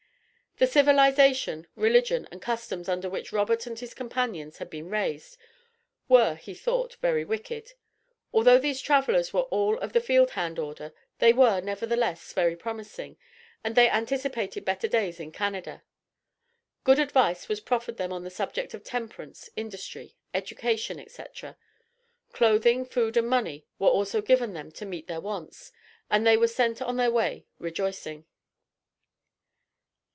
The civilization, religion, and customs under which Robert and his companions had been raised, were, he thought, "very wicked." Although these travelers were all of the field hand order, they were, nevertheless, very promising, and they anticipated better days in Canada. Good advice was proffered them on the subject of temperance, industry, education, etc. Clothing, food and money were also given them to meet their wants, and they were sent on their way rejoicing.